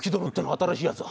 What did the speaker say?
新しいやつは。